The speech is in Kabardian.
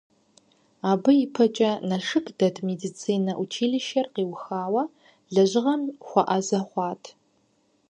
Абы ипэкӀэ Налшык дэт медицинэ училищэр къиухауэ лэжьыгъэм хуэӀэзэ хъуат.